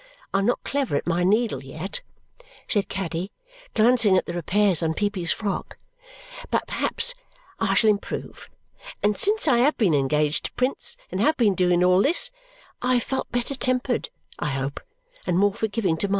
I am not clever at my needle, yet," said Caddy, glancing at the repairs on Peepy's frock, "but perhaps I shall improve, and since I have been engaged to Prince and have been doing all this, I have felt better tempered, I hope, and more forgiving to Ma.